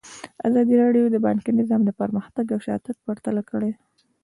ازادي راډیو د بانکي نظام پرمختګ او شاتګ پرتله کړی.